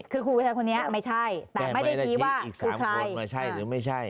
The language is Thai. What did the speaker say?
คือครูผู้ชายคนนี้ไม่ใช่แต่ไม่ได้ชี้ว่าคือใครใช่หรือไม่ใช่